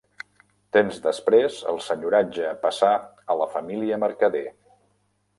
Temps després, el senyoratge passà a la família Mercader.